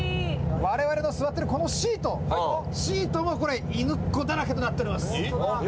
われわれの座っているこのシート、シートもこれ、犬っこだらけとなっております。